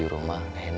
aku yang racing